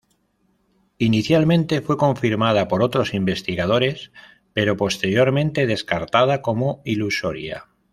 Inicialmente fue confirmada por otros investigadores, pero posteriormente descartada como ilusoria.